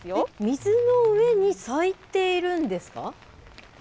水の上に咲いているんですか？